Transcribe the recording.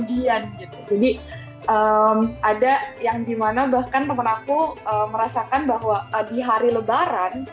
jadi ada yang gimana bahkan teman aku merasakan bahwa di hari lebaran